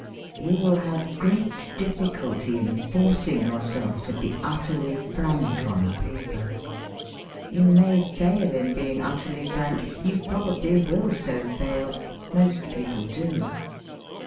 You will have great difficulty in forc ing yourself to be utterly frank on paper. You may fail in being utterly frank ; you probably will so fail; most people do.